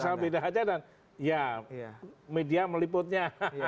asal beda aja dan ya media meliputnya